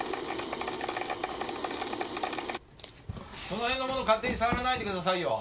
その辺の物勝手に触らないでくださいよ！